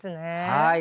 はい。